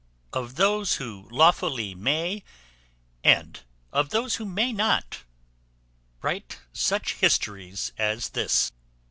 Of those who lawfully may, and of those who may not, write such histories as this.